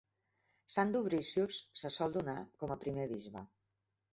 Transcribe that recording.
Sant Dubricius se sol donar com a primer bisbe.